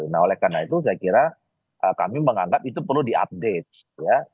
nah oleh karena itu saya kira kami menganggap itu perlu diupdate ya